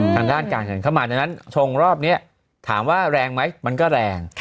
ทางด้านกลางกันเพราะฉะนั้นชงรอบนี้ถามว่าแรงไหมมันก็แรง